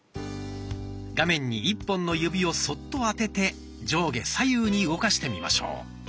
画面に１本の指をそっと当てて上下左右に動かしてみましょう。